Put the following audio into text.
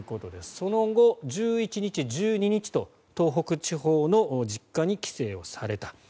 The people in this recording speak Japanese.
その後、１１日、１２日と東北地方の実家に帰省された。